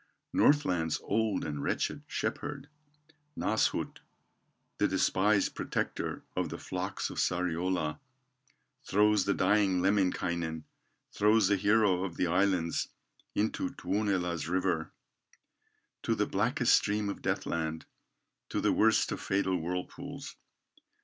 Northland's old and wretched shepherd, Nasshut, the despised protector Of the flocks of Sariola, Throws the dying Lemminkainen, Throws the hero of the islands, Into Tuonela's river, To the blackest stream of death land, To the worst of fatal whirlpools.